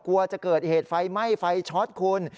กลัวจะเกิดเหตุไฟไหม้ไฟช็อตคุณ